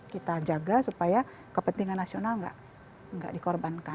kita jaga supaya kepentingan nasional nggak dikorbankan